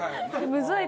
むずい